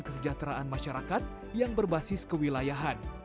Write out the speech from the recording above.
kesejahteraan masyarakat yang berbasis kewilayahan